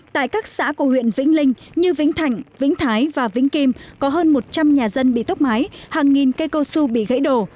tại các xã của huyện vĩnh linh như vĩnh thạnh vĩnh thái và vĩnh kim có hơn một trăm linh nhà dân bị tốc mái hàng nghìn cây cao su bị gãy đổ